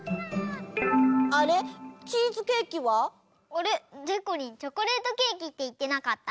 あれ？でこりんチョコレートケーキっていってなかった？